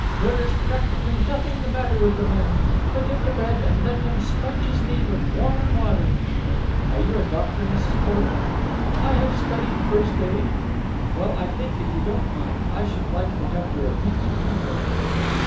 There is practically nothing the matter with the man. Put him to bed, and let him sponge his knee with warm water." "Are you a doctor, Mrs. Porter?" "I have studied first aid." "Well, I think, if you don't mind, I should like to have your opinion confirmed."